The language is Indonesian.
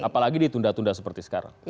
apalagi ditunda tunda seperti sekarang